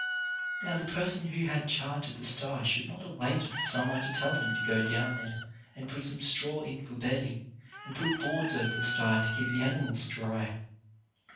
Now the person who had charge of the sty should not have waited for some one to tell him to go down there and put some straw in for bedding and put boards over the sty to keep the animals dry.